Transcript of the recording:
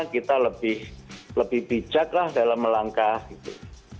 kita lebih bijak lah dalam melangkah gitu